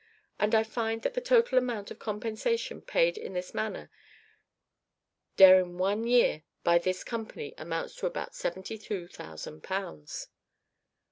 And I find that the total amount of compensation paid in this manner daring one year by this Company amounts to about 72,000 pounds."